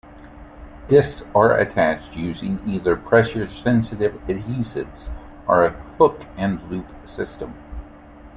Disks are attached using either pressure-sensitive adhesives or a hook and loop system.